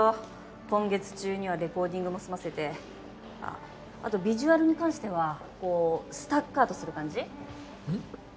今月中にはレコーディングもすませてあっあとビジュアルに関してはこうスタッカートする感じうん？